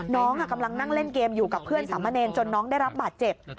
น้องกำลังนั่งเล่นเกมอยู่กับเพื่อนสามเณรจนน้องได้รับบาดเจ็บ